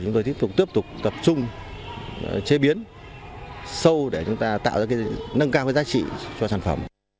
chúng tôi tiếp tục tập trung chế biến sâu để tạo ra nâng cao giá trị cho sản phẩm